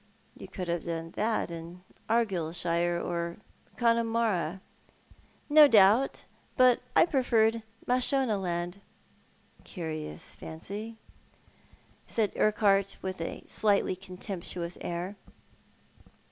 "Yoii could have done that in Argyleshire or Connemara." " No doubt, but I preferred Mashonaland." "A ciirious fancy," said Urquhart, with a slightly con temptuous air.